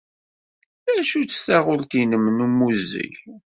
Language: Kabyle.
D acu-tt taɣult-nnem n ummuzzeg?